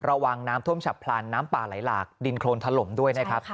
ระวังน้ำท่วมฉับพลันน้ำป่าไหลหลากดินโครนถล่มด้วยนะครับ